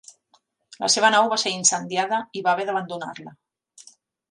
La seva nau va ser incendiada i va haver d'abandonar-la.